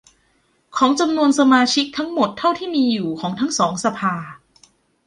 ของจำนวนสมาชิกทั้งหมดเท่าที่มีอยู่ของทั้งสองสภา